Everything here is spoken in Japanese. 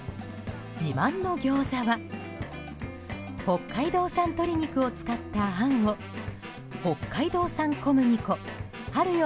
自慢の餃子は北海道産鶏肉を使ったあんを北海道産小麦粉春よ